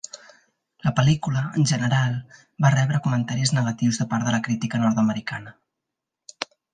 La pel·lícula, en general, va rebre comentaris negatius de part de la crítica nord-americana.